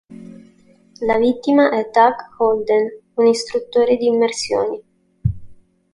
La vittima è Doug Holden, un istruttore di immersioni.